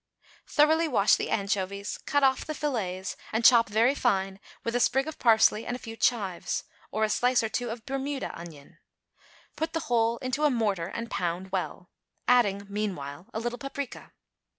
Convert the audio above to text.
Thoroughly wash the anchovies, cut off the fillets, and chop very fine with a sprig of parsley and a few chives, or a slice or two of Bermuda onion; put the whole into a mortar and pound well, adding, meanwhile, a little paprica.